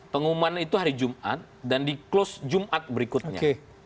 pengumuman itu hari jumat dan di close jumat berikutnya